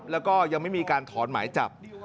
แล้วก็ยังไม่มีการถอนหมายจับ